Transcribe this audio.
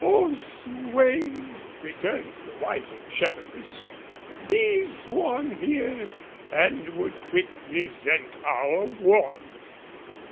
"Oh swain," returns the wiser shepherdess, "Bees swarm here, and would quick resent our warmth!"